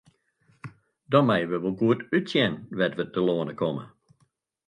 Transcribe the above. Dan meie we wol goed útsjen wêr't we telâne komme.